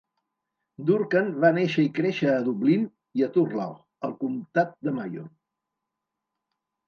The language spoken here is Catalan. Durcan va néixer i créixer a Dublín i a Turlough, al comptat de Mayo.